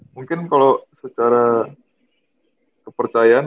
mungkin kalau secara kepercayaan